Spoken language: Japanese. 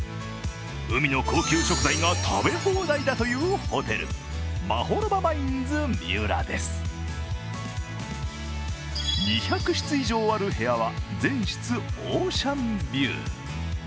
海の高級食材が食べ放題だというホテル、マホロバマインズ三浦です２００室以上ある部屋は、全室オーシャンビュー。